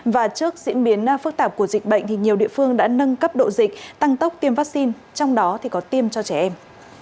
và trước diễn biến phức tạp của dịch bệnh thì nhiều địa phương đã nâng cấp độ dịch tăng tốc tiêm vaccine trong đó có tiêm cho trẻ em